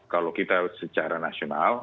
kalau kita secara nasional